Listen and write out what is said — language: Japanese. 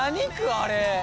あれ。